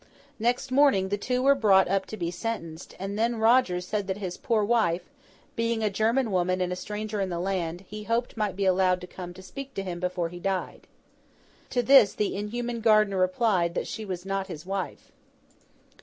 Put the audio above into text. Next morning the two were brought up to be sentenced; and then Rogers said that his poor wife, being a German woman and a stranger in the land, he hoped might be allowed to come to speak to him before he died. To this the inhuman Gardiner replied, that she was not his wife.